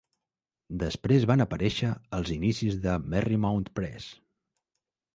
Després van aparèixer els inicis de Merrymount Press.